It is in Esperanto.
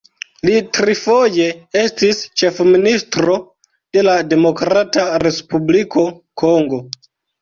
Li trifoje estis ĉefministro de la Demokrata Respubliko Kongo.